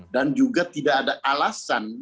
dan juga tidak ada alasan